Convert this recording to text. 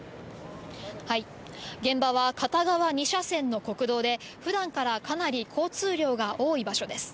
現場は片側２車線の国道で、ふだんからかなり交通量が多い場所です。